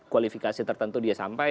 kualifikasi tertentu dia sampai